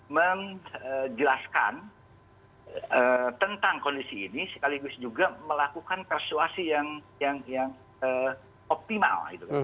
menjelaskan tentang kondisi ini sekaligus juga melakukan persuasi yang optimal